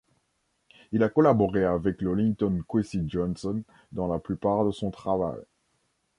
Il a collaboré avec le Linton Kwesi Johnson dans la plupart de son travail.